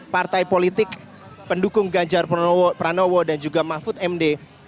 partai politik pendukung ganjar pranowo dan juga mahfud md